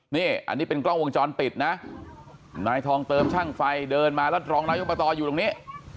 นี่อันนี้เป็นกล้องวงจรปิดนะนายทองเติมช่างไฟเดินมาแล้วรองนายกประตออยู่ตรงนี้